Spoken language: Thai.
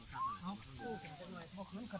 สวัสดีสวัสดีครับ